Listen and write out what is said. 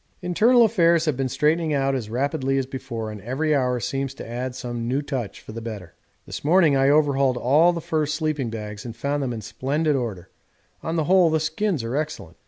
Internal affairs have been straightening out as rapidly as before, and every hour seems to add some new touch for the better. This morning I overhauled all the fur sleeping bags and found them in splendid order on the whole the skins are excellent.